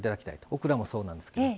オクラもそうなんですけど。